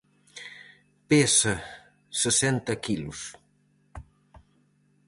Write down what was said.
Pesa sesenta quilos.